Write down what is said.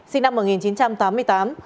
sinh năm một nghìn chín trăm tám mươi tám